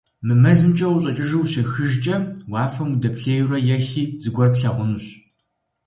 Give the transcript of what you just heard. Мы мэзымкӀэ ущӀэкӀыжу ущехыжкӀэ, уафэм удэплъейуэрэ ехи, зыгуэр плъагъунщ.